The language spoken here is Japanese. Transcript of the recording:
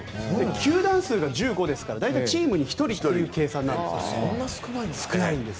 球団数が１５ですからチームに１人という計算なんです。